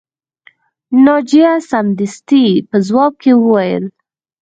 ناجیه سمدستي په ځواب کې وویل